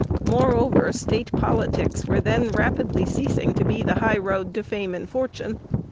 Moreover State politics were then rapidly ceasing to be the high road to fame and fortune.